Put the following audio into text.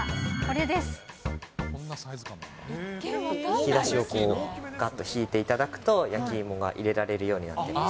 引き出しをこう、がっと引いていただくと、焼き芋が入れられるようになっています。